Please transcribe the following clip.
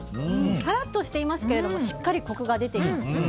さらっとしていますけどしっかりコクが出てますよね。